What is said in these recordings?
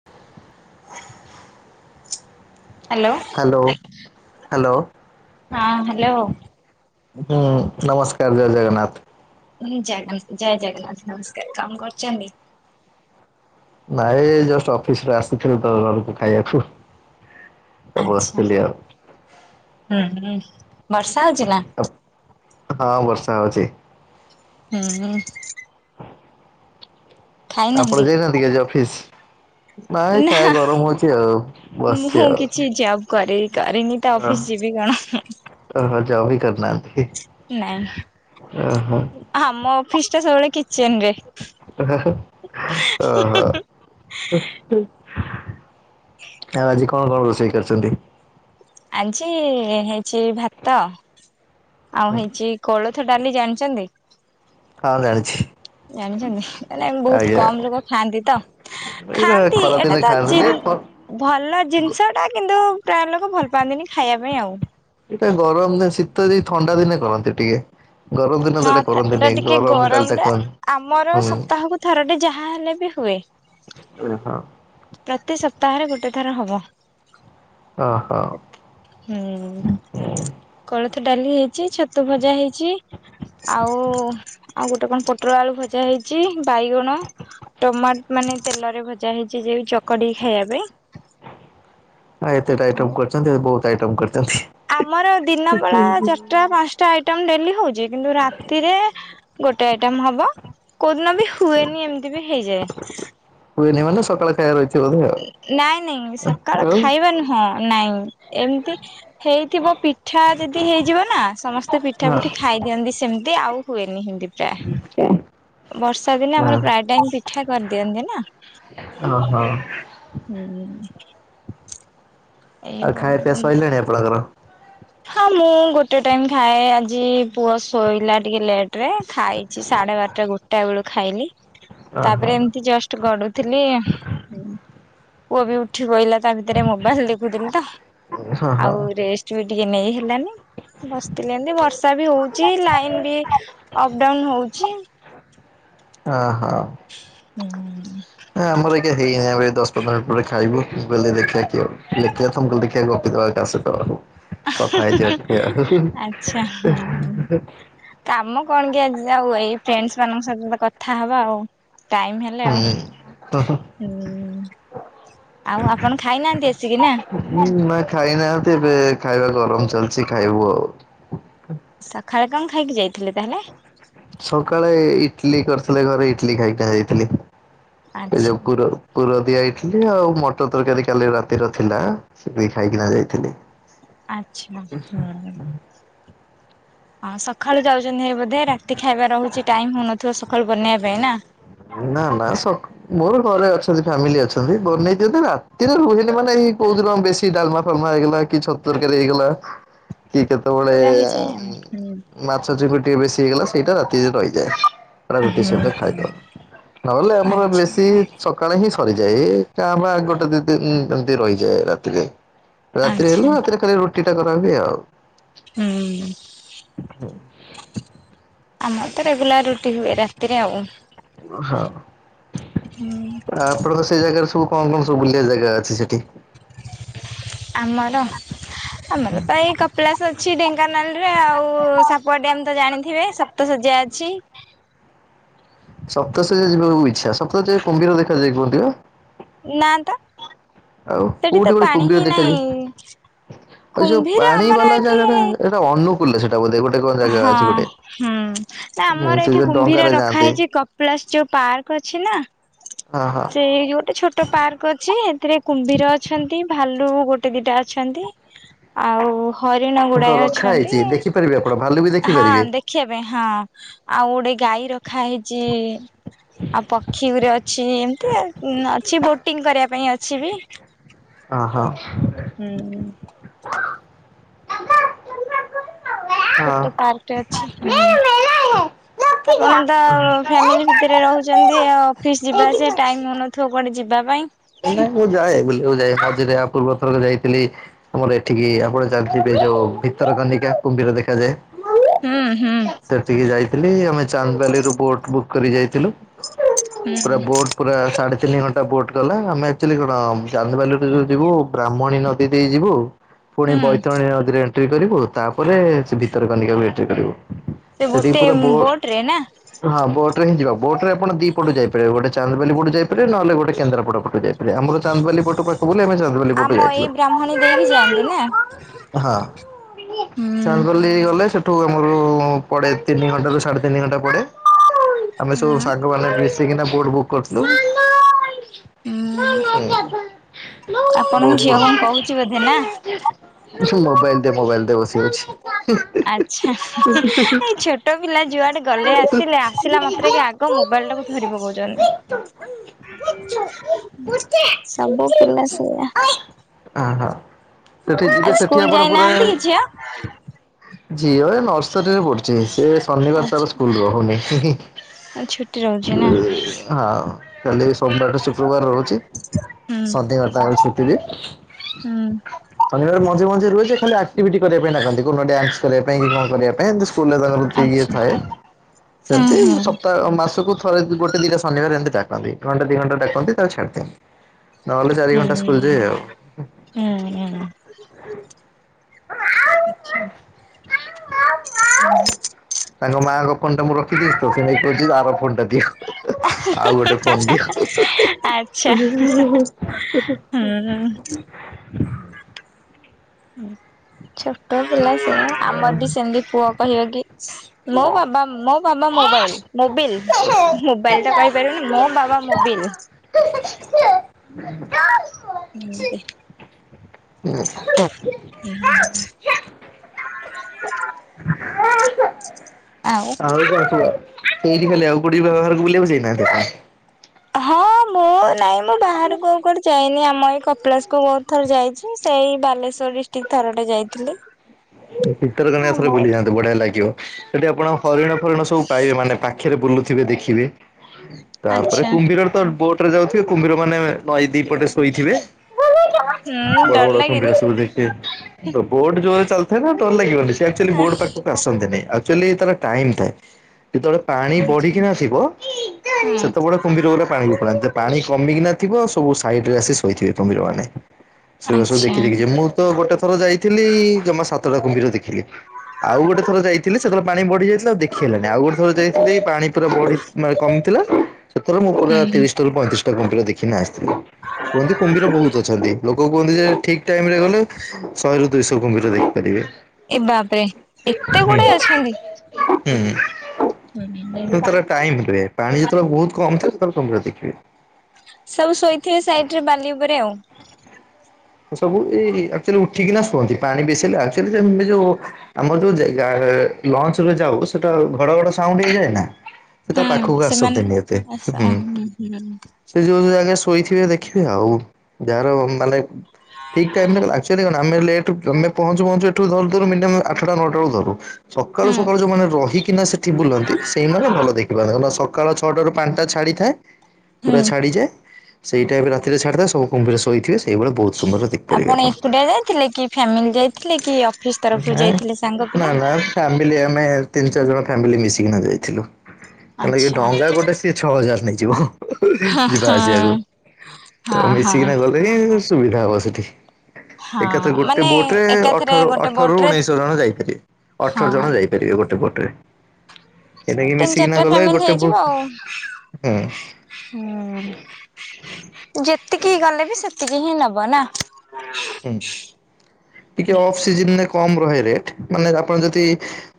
[unintelligible] Hello hello. ହଁ hello ହୁଁ ନମସ୍କାର ଜୟ ଜଗନ୍ନାଥ। ହଁ ଜନ୍ନା ଜୟ ଜଗନ୍ନାଥ ନମସ୍କାର କଣ କରୁଛନ୍ତି? ନାଇଁ ଜଷ୍ଟ ଅଫିସ୍ ରୁ ଆସିଥିଲୁ ତ ଖାଇବାକୁ। ତ ଆଚ୍ଛା ବସିଥିଲି ଆଉ। ହୁଁ ହୁଁ ବର୍ଷା ହଉଛି ନା? ହଁ ବର୍ଷା ହଉଚି। ହୁଁ ହୁଁ। ଆପଣ ଖାଇନାହାନ୍ତି? ଯାଇନାହାନ୍ତି କି ଆଜି ଅଫିସ୍? ନାଇଁ ନା କଏ ଗରମ ହଉଛି ଆଉ ମୁଁ ବସଛି କିଛି ଆଉ। ଜବ୍ କରି କରିନି ତା ଅଫିସ ଯିବି କଣ? ଓହ ଯଉ ବି କରନାହାନ୍ତି। ନାଇଁ ଆମ ଅଫିସ ଟା ସବୁବେଳେ କିଚେନ ରେ। ହଁ। ଓହୋ। ଆଉ ଆଜି କଣ କଣ ରୋଷେଇ କରିଛନ୍ତି? ଆଜି ହେଇଛି ଭାତ ଆଉ ହେଇଛି କୋଳଥ ଡାଲି ଜାଣିଛନ୍ତି। ହଁ ଜାଣିଛି। ଜାଣିଛନ୍ତି ନା ମ ବହୁତ ଆଜ୍ଞା କମ ଲୋକ ଖାଆନ୍ତି ତ। ଏଇଟା ଖାଆନ୍ତି ଏଇଟା ଖରାଦିନେ ତ ଖାଆନ୍ତିନି ଜିନ ଏଇଟା ଭଲ ଜିନିଷ ଟା କିନ୍ତୁ ପ୍ରାୟ ଲୋକ ଭଲ ପାଆନ୍ତିନି ଖାଇଆ ପାଇଁ ଆଉ। ଏଇଟା ଗରମ ରେ ଶୀତ ଦେ ଥଣ୍ଡା ଦିନେ କରନ୍ତି ଟିକେ। ଗରମ ଦିନ ତ ହଁ ଥା କରନ୍ତିନି ଏଇଟା ଟିକେ ଗରମ ଡାଲିଟା ଟା କୁହନ୍ତି ଆମର ହୁଁ। ସପ୍ତାହକୁ ଥର ଟେ ଯାହାବି ହେଲେ ବି ହୁଏ। ଆରେ ହଁ। ପ୍ରତି ସପ୍ତାହରେ ଗୋଟେ ଥର ହବ। ଓହୋ। ହୁଁ କୋଳଥ ଡାଲି ହେଇ ଛି ଛତୁ ଭଜା ହେଇଛି ଆଉ ଆଉ ଗୋଟେ କଣ ପୋ ପୋଟଳ ଆଳୁ ଭଜା ହେଇଛି ବାଇଗଣ ଟମାଟ ମାନେ ତେଲରେ ଭଜା ହେଇଛି ଛି ଯୋଉ ଚକଟିକି ଖାଇବା ପାଇଁ ହଁ ଏତେଟା ଆଉ ଆଇଟମ କରିଛନ୍ତି ଆଉ ବହୁତ ଆଇଟମ କରିଛନ୍ତି। ଆମର ଦିନ ବେଳା ଚାରି ଟା ପାଞ୍ଚଟା ଆଇଟମ ଡେଲି ହଉଛି କିନ୍ତୁ ରାତିରେ ଗୋଟେ ଆଇଟମ ହବ କୋଉଦିନ ବି ହୁଏନି ଏମିତି ବି ହେଇଯାଏ। ହୁଏନି ମାନେ ସକାଳେ ଖାଇବା ରହି ନାଇଁ ନାଇଁ ସକାଳ ଖାଇବା ନୁହଁ ନାଇଁ ଏମିତି ହେଇଥିବ ପିଠା ଯଦି ହେଇଯିବ ନା ସମସ୍ତେ ପିଠା ହଁ ପିଠି ଖାଇ ଦିଅନ୍ତି ସେମିତି ଆଉ ହୁଏନି ଏମତି ପ୍ରାୟେ [unintelligible] ବର୍ଷା ଦିନେ ହଁ ଆମର ପ୍ରାୟେ ଟାଇମ ପିଠା କରିଦିଅନ୍ତି ନା ଅ ହୋ। ହଁ। ଆଉ ଖାଇବା ପିଇବା ସଇଲାଣି ଆପଣଙ୍କର? ହଁ ମୁଁ ଗୋଟେ ଟାଇମ ଖାଏ ଆଜି ପୁଅ ଶୋଇଲା ଟିକେ ଲେଟ ରେ ଖାଇଛି ସାଢେ ବାରଟା ଗୋଟ ଟା ବେଳୁ ଖାଇଲି ଓହୋ ତାପରେ ଏମତି ଜଷ୍ଟ ଗଡୁଥିଲି ପୁଅ ବି ଉଠି ପଇଲା ତା ଭିତରେ ମୋବାଇଲ ଦେଖୁଥିଲି ତ ହଁ ହଁ ଆଉ ରେଷ୍ଟ ବି ଟିକେ ନେଇ ହେଲାନି ବସିଥିଲି ଏମତି ବର୍ଷା ବି ହଉଛି ଲାଇନ ବି ଅପ ଡାଉନ ହଉଛି ଅ ହୋ। ହଁ। ଆମର ଏଁଇକା ହେଇନାହିଁ ଆମେ ଦଶ ପନ୍ଦର ପରେ ଖାଇବୁ ମୁଁ କହିଲି ଦେଖିବା କିଏ ଦେଖିବା ତମକୁ ଦେଖିବା ଗପିଦେବା। କାହା ସହିତ କଥା ହା ହ ହେଇଯିବା ହ ଟିକେ ଆଉ ହୁଁ। ଆଚ୍ଛା ହଁ। କାମ କଣ କି ଆଜି ଆଉ ଏଇ ଫ୍ରେଣ୍ଡସ ମାନଙ୍କ ସହିତ ତ କଥା ହବା ଆଉ। ଟାଇମ ହେଲେ ଆଉ। ମ-ମ ଆଉ ଆପଣ ଖାଇନାହାନ୍ତି ଆସିକି ନା? ମ-ମ ନା ଖାଇନାହାନ୍ତି ଏବେ ଖାଇବା ଗରମ ଚାଲିଛି ଖାଇବୁ ଆଉ। ସଖାଳେ କଣ ଖାଇକି ଯାଇଥିଲେ ତାହେଲେ? ସକାଳେ ଇଟଲି କରିଥିଲେ ଘରେ ଇଟଲି ଖାଇକି ନା ଯାଇଥିଲି ଏ ଆଚ୍ଛା ଯୋଉ ପୁର ପୁର ଦିଆ ଇଟଲି ଆଉ ମଟର ତରକାରୀ କାଲି ରାତିର ଥିଲା ସେତିକି ଖାଇକିନା ଯାଇଥିଲି। ଆଚ୍ଛା ହଁ। ହଁ ସକାଳୁ ଯାଉଛନ୍ତି ହେ ବୋଧେ ରାତି ଖାଇବା ରହୁଛି ଟାଇମ ହଉନଥିବ ସକାଳୁ ବନେଇବା ପାଇଁ ନା? ନା ନା ସକା ମୋର ଘରେ ଅଛନ୍ତି ଫ୍ୟାମିଲି ଅଛନ୍ତି ବନେଇଦିଅନ୍ତି ରାତିରେ ରୁହେନି ମାନେ ଏଇ କୋଉ ଦିନ ବେଶୀ କି ଡାଲମା ଫାଲମା ହେଇଗଲା କି ଛତୁ ତରକାରୀ ହେଇଗଲା କିଏ କେତେବେଳେ ରହିଯାଏ ଆଉ ହୁଁ ମାଛ ଚିଙ୍ଗୁଡି ଟିକେ ବେଶୀ ହେଇଗଲା ସେଇଟା ରାତିରେ ରହିଯାଏ ସେଟା ରୁଟି ସହିତ ହୁଁ ଖାଇଦଉ। ନହେଲେ ଆମର ଆଚ୍ଛା ବେଶୀ ଛତୁ ସକାଳେ ହିଁ ସରିଯାଏ ଏ କାଁ ଭାଁ ଗୋଟେ ଦି ଦିନ ଏମତି ରହିଯାଏ ରାତିରେ। ରାତିରେ ଆଚ୍ଛା। ହେଲେ ରାତିରେ ଖାଲି ରୁଟି ଟା କରା ହୁଏ ଆଉ। ହୁଁ। ଆମର ତୋ ରେଗୁଲାର୍ ରୁଟି ହୁଏ ରାତିରେ ଆଉ। [unintelligible] ହୋ ଆ, ହୁଁ ଆପଣଙ୍କ ସେଇ ଜାଗାରେ ସବୁ କଣ କଣ ସବୁ ବୁଲିବା ଜାଗା ଅଛି ସେଠି? ଆମର ଆମର ପ୍ରାୟ ଏ କ କପିଳାସ ଅଛି ଢେଙ୍କାନାଳ ରେ, ଆଉ ସାପୁଆ ଡ୍ୟାମ୍ ତ ଜାଣିଥିବେ, ସପ୍ତ ଶଯ୍ୟା ଅଛି। ସପ୍ତଶଯ୍ୟା ଯିବାକୁ ଇଚ୍ଛା ସପ୍ତଶଯ୍ୟା ରେ କୁମ୍ଭୀର ଦେଖାଯାଏ କୁହନ୍ତି ଆ। ନା ତ। ଆଉ ସେଠି ତ କୋଉଠି ଗୋଟେ ପାଣି କୁମ୍ଭୀର ହିଁ ନାହିଁ ଦେଖାଯାଏ? ଆଉ ଯୋଉ କୁମ୍ଭୀର ପାଣି ଆମର ବାଲା ଏଠି ଜାଗା ଟା ଅ ରେ ଅନୁକୂଲ ରେ ସେ ଟା ବୋଧେ ଗୋଟେ ଗ ଜାଗା ହଁ ଅଛି ଗୋଟେ। ହୁଁ, ନା ହୁଁ ଆମର ସେ ଏଇଠି ଯୋଉ କୁମ୍ଭୀର ଡଙ୍ଗାରେ ରଖା ଯାଆନ୍ତି ହେଇଛି କପିଳାସ ଯୋଉ ପାର୍କ ଅଛି ନା। ଓହୋ। ଏଇ ଗୋଟେ ଛୋଟ ପାର୍କ ଅଛି, ହେଥିରେ କୁମ୍ଭୀର ଅଛନ୍ତି, ଭାଲୁ ଗୋଟେ ଗୋଟେ ଦିଟା ଅଛନ୍ତି ଆଉ ହରିଣ ହଁ ଗୁଡାଏ ରଖା ଅଛନ୍ତି ହେଇଛି ଦେଖିପାରିବେ ଆପଣ ଭାଲୁ ବି ହଁ ଦେଖିପାରିବେ ଦେ ଖିବା ପାଇଁ ହଁ, ଆଉ ଗୋଟେ ଗାଈ ରଖା ହେଇଚି। ଆଉ ପକ୍ଷୀ ଗୁରେ ଅଛି ଏମତି ଆଉ ଉଁ, ଅଛି ବୋଟିଂ କରିବା ପାଇଁ ଅଛି ବି। ଓ ହୋ। ହୁଁ। ହଁ। ଛୋଟ ପାର୍କ ଟେ ଅଛି, ହୁଁ, ଆପଣ ତ ଆଉ ଫ୍ୟାମିଲି ଭିତରେ ରହୁଚନ୍ତି ଆ, ଅଫିସ୍ ଯିବାଆସିବା ଟାଇମ୍ ହଉନଥିବ କୁଆଡ଼େ ଯିବା ପାଇଁ। [unintelligible] ମୁଁ ଯାଏ, ବୁଲିବାକୁ ଯାଏ, ଆଜି ଯା ପୂର୍ବଥରକ ଯାଇଥିଲି। ଆମର ଏଠିକି ଆପଣ ଜାଣିଥିବେ ଯୋଉ ଭିତରକନିକା କୁମ୍ଭୀର ଦେଖାଯାଏ। ହୁଁ, ହୁଁ। ସେଠିକି ଯାଇଥିଲି ଆମେ ଚାନ୍ଦବାଲିରୁୁ ବୋଟ୍ ବୁକ୍ କରି ଯାଇଥିଲୁ। ହୁଁ ପୁରା ବୋଟ୍ ପୁରା ସାଢେ ତିନି ଘଣ୍ଟା ବୋଟ୍ ଗଲା ଆମେ ଆକ୍ଚୁଲି କଣ ଚାନ୍ଦବାଲିରେ ଯୋଉ ଯିବୁ ବ୍ରାହ୍ମଣୀ ନଦୀ ଦେଇ ଯିବୁ। ପୁଣି ହୁଁ ବୈତରଣୀ ନଦୀରେ ଏଣ୍ଟ୍ରି କରିବୁ, ତାପରେ ସେ ଭିତରକନିକାକୁ ଏଣ୍ଟ୍ରି କରିବୁ। ସେ ସେଠିକି ଗୋଟେ ପୁରା ବୋଟ୍ ରେ ନା? ହଁ ବୋଟ୍ ରେ ହିଁ ଯିବା, ବୋଟ୍ ରେ ଆପଣ ଦି ପଟେ ଯାଇପାରିବେ, ଗୋଟେ ଚାନ୍ଦବାଲି ପଟେ ଯାଇପାରିବେ, ନହେଲେ ଗୋଟେ କେନ୍ଦ୍ରା ପଡା ପଟେ ଯାଇଥିଲେ ଆମର ଚାନ୍ଦବାଲି ପଟେ ପାଖ ବୋଲି ଆମେ ଚାନ୍ଦବାଲି ପଟେ ଆମ ଏଇ ଯାଇଥିଲୁ। ବ୍ରାହ୍ମଣୀ ଦେଇକି ଯାଆନ୍ତି ନା ହଁ। ହୁଁ ଚାନ୍ଦବାଲି ଗଲେ ସେଠୁ ଆମର ପଡେ ତିନି ଘଣ୍ଟା ରୁ ସାଢେ ତିନି ଘଣ୍ଟା ପଡେ। ଆମେ ସବୁ ହୁଁ ସାଙ୍ଗ ମାନେ ମିଶିକିନା ବୋଟ୍ ବୁକ୍ କରିଥିଲୁ। ହୁଁ, ଆପଣଙ୍କ ଝିଅ କଣ କହୁଚୁ ବୋଧେ ନା? ଏ ସବୁ ମୋବାଇଲ୍ ଦେ ମୋବାଇଲ ଦେ ବସି ଅଛି ହୁଁ,। ଆଚ୍ଛା ଏଇ ଛୋଟ ପିଲା ଯୁଆଡେ ଗଲେ ଆସିଲେ ଆସିଲା ମାତ୍ର କେ ଆ କ ମୋବାଇଲ୍ ଟାକୁୁ ଧରି ପକଉଚନି। ସବୁ ପିଲା ସେଇଆ। ହଁ ହଁ ସେଠି ଯିବେ ଆଜି ସେଠି ସ୍କୁଲ୍ ଆପଣ ଯାଇନାହାନ୍ତି ପୁରା କି ଝିଅ? ଝିଅ ଏ ନର୍ସରୀ ରେ ପଢୁଛି, ସେ ଶନିବାର ତାର ଆଚ୍ଛା ସ୍କୁଲୁ ରଉନି। ହଁ ଛୁଟି ରହୁଛି ନା କାଲି ସୋମବା ଶୁବାର ରହୁଛି ହୁଁ ସନିବାର ତାଙ୍କର ଚୁଟି ରୁହେ। [inaudible] ହୁଁ। ଶନିବାର ମଝିରେ ମଝିରେ ରୁହେ ଖାଲି ଆକ୍ଟିଭିଟି କରିବା ପାଇଁ ଡାକନ୍ତି, କୋଉଦିନ ଡାନ୍ସ କରିବା ପାଇଁ କି କଣ କରିବା ପାଇଁ। ସ୍କୁଲ୍ ରେ ତାଙ୍କର ଇଏ ଆଚ୍ଛା ଥାଏ ହୁଁ ସେମତି ହୁଁ। ସପ୍ତାହ ମାସକୁ ଥ ରେ କି ଗୋଟେ ଦିଟା ଶନିବାର ଏମିତି ଡାକନ୍ତି, ଘଣ୍ଟେ ଦି ଘଣ୍ଟା ଡାକନ୍ତି ତାପରେ ଛାଡିଦିଅନ୍ତି। ନହେଲେ ଚାରି ଘଣ୍ଟା ସ୍କୁଲ ଯାଏ ହୁଁ ଆଉ। ହୁଁ [unintelligible] ଆଚ୍ଛା। [unintelligible] ହୁଁ। ତାଙ୍କ ମାଆଙ୍କ ଫୋନ୍ ଟା ମୁଁ ରଖିଚି ତ ସେ ନେଇ ଆର ଫୋନ୍ ଟା ଦିଅ। ଆଉ ଗୋଟେ ଫୋନ୍ ଦିଅ ଆଚ୍ଛା। [unintelligible] ହୁଁ। ହୁଁ ଆଛା। ଟ ପିଲା ସେଇଆ, ଆମର ବି ସେମିତି ପୁଅ କହିବ କି ମୋ ବାବା ମୋ ବାବା ମୋବାଇଲ ମୋବିଲ, ମୋବାଇଲ ଟା କହିପାରୁନି ମୋ ବାବା ମୋବିଲ। କ [unintelligible] ହୁଁ ହୁଁ। ହୁଁ। [inaudible] ଆଉ। [unintelligible] ହଁ ମୋ ହଁ ନାଇଁ ମୁଁ ବାହାରୁକୁ ଆଉ କୁଆଡେ ଯାଇନି, ଆମ ଏଇ କପିଳାସ କୁ ବହୁତ ଥର ଯାଇଛି ସେଇ ବାଲେଶ୍ଵର ଡିସ ଥରଟେ ଯାଇଥିଲି। ଭିତର କନିକା ଥରେ ଆମ ବୁଲି ଯାଆନ୍ତୁ ବଢିଆ ଲାଗିବ। ସେଠି ଆପଣ ହରିଣ ଫରିଣ ସବୁ ପାଇବେ ମାନେ ପାଖରେ ବୁଲୁଥିବେ ଦେଖିବେ। ତାପରେ ଆଚ୍ଛା। କୁମ୍ଭୀରରେ ତ ବୋଟ ରେ ଯାଉଥିବେ, କୁମ୍ଭୀର ମାନେ ନଈ ଦି ପଟେ ଶୋଇଥିବେ। ହୁଁ ବଡ଼ ଡର ବଡ଼ କୁମ୍ଭୀର ଲାଗେନି ସବୁ ଦେଖିବେ ତ ବୋଟ ଯୋରେ ଚାଲ ଥିବ ଡର ଲାଗିବନି ସେ ଆକ୍ଚୁଆଲି ବୋଟ୍ ପାଖକୁ ତ ଆସନ୍ତି ନାଇଁ, ଆକ୍ଚୁଆଲି ତାର ଟାଇମ୍ ଥାଏ ଯେତେବେଳେ ପାଣି ଆଛା ବଢିକିନା ଥିବ, ହୁଁ ସେତେବେଳେ କୁମ୍ଭିର ଉରା ପାଣି କି ପଳାନ୍ତି। ପାଣି କମିକିଣା ଥିବ ସବୁ ସାଇଡ ରେ ଆସି ଶୋଇଥିବେ କୁମ୍ଭୀର ମାନେ, ସେଉରା ସବୁ ଆଚ୍ଛା ଦେଖି ଦେଖି ଯିବ। ମୁଁ ତ ଗୋଟେ ଥର ଯାଇଥିଲି ଜମା ସାତଟା କୁମ୍ଭୀର ଦେଖିଲି, ଆଉ ଗୋଟେ ଥର ଯାଇଥିଲି ସେତେବେଳେ ପାଣି ବଢି ଯାଇଥିଲା ଆଉ ଦେଖି ହେଲାନି, ଆଉ ଗୋଟେ ଥର ଯାଇଥିଲ ପାଣି ପୁରା ବଢ ମାନେ କମି ଥିଲା। ସେଥର ମୁଁ ପୁରା ହୁଁ ତିରିଶଟାରୁ ପଇଁତିରିଶ ଟା କୁମ୍ଭିର ଦେଖିକିଣା ଆସିଥିଲି। କୁହନ୍ତି କୁମ୍ଭିର ବହୁତ ଅଛନ୍ତି। ଲୋ କ କୁହନ୍ତି ଯେ ଠିକ ଟାଇମ ରେ ଗଲେ ଶହେରୁୁ ଦୁଇଶହ କୁମ୍ଭୀର ଦେଖିପାରିବେ। ଏ ବାପରେ ଏତେ ଗୁଡା ଅଛନ୍ତି। ହୁଁ ଭିତରେ ଟାଇମ ରୁଏ ପାଣି ଯେତେବେଳେ ବହୁତ କମ୍ ଥିବ ସେତେବେଳେ କୁମ୍ଭୀର ଦେଖିବେ। ସବୁ ଶୋଇଥିବେ ସାଇଡ ରେ ବାଲି ଉପରେ ଆଉ। ସବୁ ଏଇ ଆକ୍ଚୁଆଲି ଉଠିକିନା ଶୁଅନ୍ତି, ପାଣି ବେଶି ହେଲେ ଆକ୍ଚୁଆଲି ମେ ଏ ଯୋଉ ଆମର ଯୋଉ ଯା ଗା ଲଞ୍ଚରେ ଯାଉ ସେଟା ଘଡ ଘଡ ସାଉଣ୍ଡ ହେଇଯାଏ ନା। ସେ ତା ହୁଁ ପାଖକୁ ସେମାନେ ଆସନ୍ତିନି ଏତେ ଆଚ୍ଛା ହୁଁ। ହୁଁ ସେ ଯୋଉ ଯୋଉ ଜାଗେ ଶୋଇଥିବେ ଦେଖିବେ ଆଉ ଯାହାର ମାନେ ଠିକ୍ ଟାଇମ ରେ ଗଲେ ଆକ୍ଚୁଆଲି କଣ ଆମେ ଲେଟ ରେ ଉଠ ତମେ ପହଞ୍ଚୁ ପହଞ୍ଚୁ ଏଠୁ ଧରୁ ଧରୁ ମିନିମମ ଆଠଟା ନ ଟା ରୁ ଧରୁ ସକାଳୁ ହୁଁ ସକାଳୁ ଯୋଉମାନେ ରହିକି ନା ସେଠ ଏ ବୁଲନ୍ତି ସେଇମାନେ ଭଲ ଦେଖିପାରନ୍ତି ସକାଳ ଛଅଟାରୁ ପାଣି ଟା ଛାଡ଼ିଥାଏ। ପୁରା ହୁଁ। ଛାଡିଯାଏ ସେଇ ଟାଇମ୍ ରାତିରେ ଛାଡିଥାଏ ସବୁ କୁମ୍ଭୀରେ ଶୋଇଥିବେ ସେଇଭଳି ବହୁ ଆପଣ ଏକୁଟଆ ଯାଇଥିଲେ କି ଫ୍ୟାମିଲି ଯାଇଥିଲେ କି ଅଫିସ୍ ତରଫରୁ ଯାଇଥିଲେ ସାଙ୍ଗ ପିଲା? ଫ୍ୟା ମିଲି ଆମେ ତିନି ଚାରି ଜଣ ଫ୍ୟାମିଲି ମିଶିକିନା ଯାଇଥିଲୁ ତାନଗି ଆଚ୍ଛା ଡଙ୍ଗା ଗୋଟେ ସେ ଛଅ ହଜାର ନେଇଯିବ ହଁ ଯିବା ହଁ ଆସିବାକୁ ହଁ ହଁ ମିଶିକିନା ଗ ସେଇ ସୁବିଧା ହବ ସେଠି ହଁ ଏକାଥରେ ଗୋଟେ ମାନେ ବୋଟରେ ଏକାଥରେ ଅଠର ଅ ଗୋଟେ ବୋଟ ରେ ଉଣେଇଶ ଜଣ ଯାଇପାରିବେ ଅଠର ହଁ ଜଣ ଯାଇପାରିବେ ଗୋଟେ ପୋଟରେ। ଏଟା କିି ତିନି ମିଶିକିନା ଚାରିଟା ଗଲେ ଫ୍ୟାମିଲି ଗୋଟେ ହେଇଯିବ ବହୁତ ଆଉ। ହୁଁ। ହୁଁ ଯେତିକିି ଗଲେ ବି ସେତିକି ହିଁ ନବ ନା? ହୁଁ ଟିକେ ଅଫ ସିଜିନ ରେ କମ୍ ରହେ ରେଟ ମାନେ ଆପଣ ଯଦି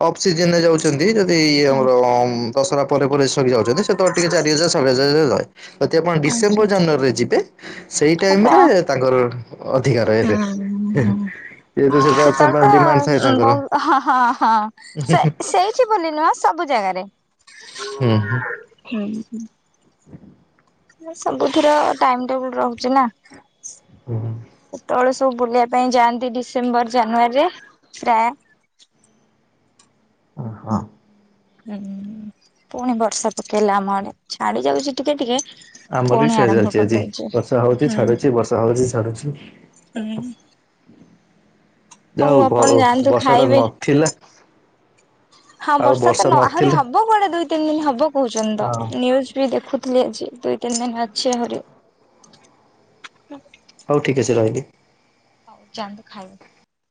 ଅଫସିଜିନ ରେ ଯାଉ ଚନ୍ତି ଯଦି ଆମର ଅମ୍ ଦଶହରା ପରେ ପରେ ସରି ଯାଉଚନ୍ତି ସେତେବେଳେ ଟିକେ ଚାରି ହଜାର ସାଢ଼େ ଚାରି ହଜାର ଯାଏ। ଯଦି ଆପଣ ଡିସେମ୍ବର ଆଚ୍ଛା ଜାନୁଆରୀରେ ଯିବେ ସେଇ ଟାଇମ୍ ହବ। ରେ ତାଙ୍କର ଅ ଅଧିକା ରେଟ୍ ଯେହେତୁ ସେଟା ସେତେବେଳେ ତାଙ୍କର ଡିମାଣ୍ଡ ଥାଏ ତ ତାଙ୍କର ବହୁ ହଁ ହଁ ହଁ ସେ ସେଇ ଠି ବୋଲି ନୁହଁ ସବୁ ଜାଗାରେ ହୁଁ ହୁଁ। ସବୁଥିର ଟାଇମ୍ ଟେବୁଲ ରହୁଚି ନା। ହୁଁ। ସେତେବେଳେ ସବୁ ବୁଲିବା ପାଇଁ ଯାଆନ୍ତି ଡିସେମ୍ବର ଜାନୁଆରୀରେ ପ୍ରାୟ ଓ ହଁ। ହୁଁ ପୁଣି ବର୍ଷା ପକେଇଲା ଆମ ଆଡେ ଛାଡି ଯାଉଚି ଟିକେ ଟିକେ। ଆମର ବି ପୁଣି ସେୟା ଆରମ୍ଭ ଚାଲିଛି ଆଜି କରିଦଉଛି ବର୍ଷା ହଉଚି ହୁଁ। ଛାଡୁଚି ବର୍ଷା ହଉଚି ଛାଡୁଚି। ହୁଁ। ହଉ ଆପଣ ଯାଆନ୍ତୁ ବର୍ଷା ଟା ଖାଇବେ। ନଥିଲା। ହଁ ଆଉ ବର୍ଷା ତ ନ ଆହୁରି ନଥିଲେ ହବ କୁଆଡେ ଦୁଇ ତିନି ଦିନ ହବ କହୁଚନ୍ତି ହଁ ତ ନିୟୁଜ ବି ଦେଖୁ ଥିଲି ଆଜି ଦୁଇ ତିନି ଦିନ ଅଛି ଆହୁରି। ହଉ ଠିକ୍ ଅଛି ରହିଲି। ଯାନ୍ତୁ ଖାଇବେ।